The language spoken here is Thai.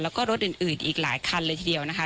แล้วก็รถอื่นอีกหลายคันเลยทีเดียวนะคะ